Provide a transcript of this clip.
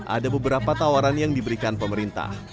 ada beberapa tawaran yang diberikan pemerintah